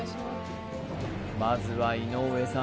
まずは井上さん